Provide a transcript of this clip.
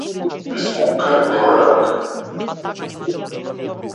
Без ука нема наука.